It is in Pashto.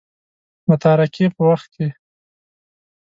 متارکې په وخت کې.